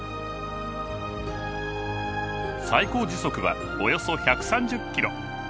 最高時速はおよそ１３０キロ。